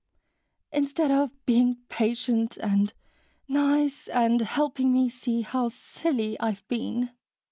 "Instead of being patient, and nice, and helping me see how silly I've been."